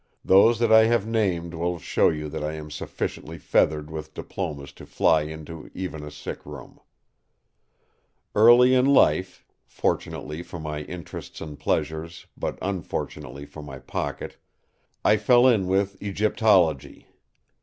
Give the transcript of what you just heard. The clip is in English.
Those I have named will show you that I am sufficiently feathered with diplomas to fly into even a sick room. Early in life—fortunately for my interests and pleasures, but unfortunately for my pocket—I fell in with Egyptology.